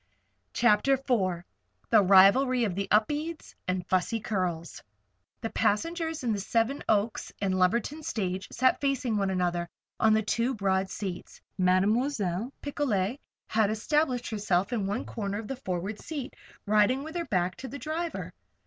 CHAPTER IV THE RIVALRY OF THE UPEDES AND THE FUSSY CURLS The passengers in the Seven Oaks and Lumberton stage sat facing one another on the two broad seats. Mademoiselle Picolet had established herself in one corner of the forward seat, riding with her back to the driver.